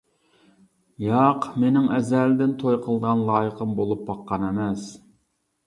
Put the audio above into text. -ياق مىنىڭ ئەزەلدىن توي قىلىدىغان لايىقىم بولۇپ باققان ئەمەس.